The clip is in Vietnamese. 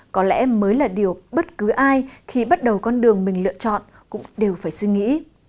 có lẽ mới là điều bất cứ ai khi bắt đầu con đường mình lựa chọn cũng đều phải suy nghĩ